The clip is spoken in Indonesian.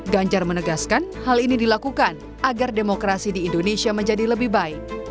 ganjar menegaskan hal ini dilakukan agar demokrasi di indonesia menjadi lebih baik